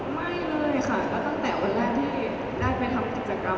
ไม่เลยค่ะแล้วตั้งแต่วันแรกที่ได้ไปทำกิจกรรม